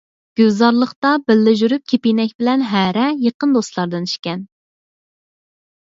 گۈلزارلىقتا بىللە يۈرۇپ كىپىنەك بىلەن ھەرە يېقىن دوستلاردىن ئىدىكەن .